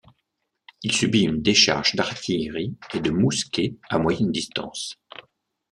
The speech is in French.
Il subit une décharge d'artillerie et de mousquets à moyenne distance.